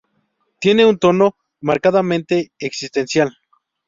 Tiene un tono marcadamente existencial.